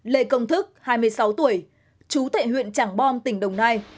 lê công thức hai mươi sáu tuổi chú tại huyện trạng bò tỉnh đồng nai